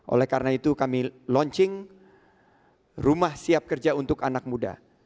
oleh karena itu kami launching rumah siap kerja untuk anak muda